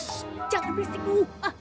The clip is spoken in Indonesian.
ssst jangan berisik mulu